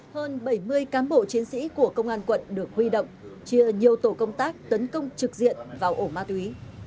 hơn bảy mươi cán bộ chiến sĩ của công an quận được huy động chia nhiều tổ công tác tấn công trực diện vào ổ ma túy